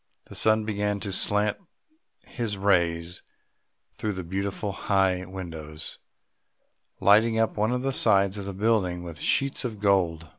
The sun began to slant his rays through the beautiful high windows, lighting up one of the sides of the building with sheets of gold.